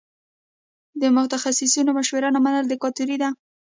د متخصصینو مشوره نه منل دیکتاتوري ده.